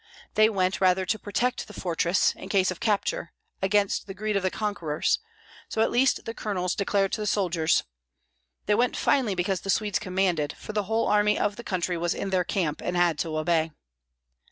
They went rather to protect the fortress, in case of capture, against the greed of the conquerors, so at least the colonels declared to the soldiers; they went finally because the Swedes commanded, for the whole army of the country was in their camp and had to obey.